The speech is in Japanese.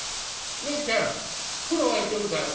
ねえちゃん風呂沸いてるかい？」。